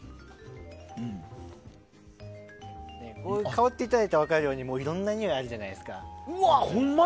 香っていただいたら分かるようにいろんなにおいがあるじゃないですか。